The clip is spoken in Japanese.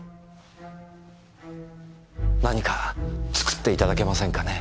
何か作っていただけませんかねぇ？